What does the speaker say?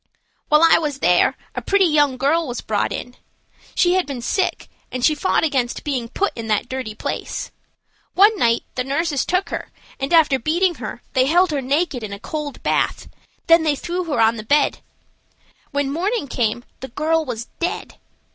"While I was there a pretty young girl was brought in. She had been sick, and she fought against being put in that dirty place. One night the nurses took her and, after beating her, they held her naked in a cold bath, then they threw her on her bed. When morning came the girl was dead.